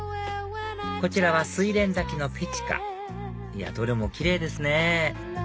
こちらはスイレン咲きのペチカどれもキレイですね